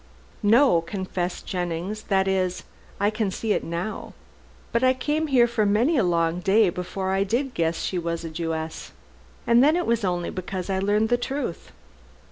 "No," confessed Jennings, "that is, I can see it now, but I came here for many a long day before I did guess she was a Jewess. And then it was only because I learned the truth."